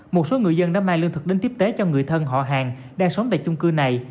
một số người dân đã mang lương thực đến tiếp tế cho người thân họ hàng đang sống tại chung cư này